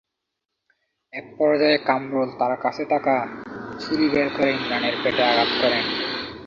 একপর্যায়ে কামরুল তাঁর কাছে থাকা ছুরি বের করে ইমরানের পেটে আঘাত করেন।